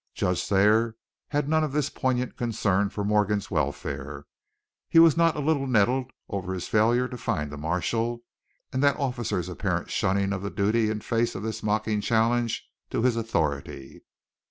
Judge Thayer had none of this poignant concern for Morgan's welfare. He was not a little nettled over his failure to find the marshal, and that officer's apparent shunning of duty in face of this mocking challenge to his authority.